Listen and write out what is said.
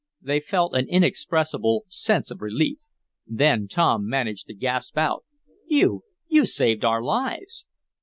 They felt an inexpressible sense of relief. Then Tom managed to gasp out: "You you saved our lives!"